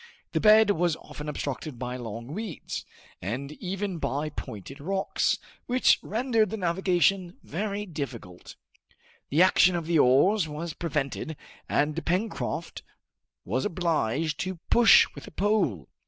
The bed was often obstructed by long weeds, and even by pointed rocks, which rendered the navigation very difficult. The action of the oars was prevented, and Pencroft was obliged to push with a pole.